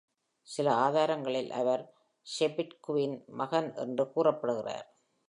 சில ஆதாரங்களில் அவர் ஷெபிட்குவின் மகன் என்று கூறப்படுகிறார்.